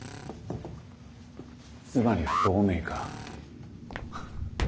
つまりは同盟か。